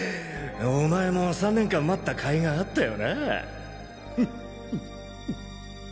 お前も３年間待った甲斐があっんぐんぐんぐ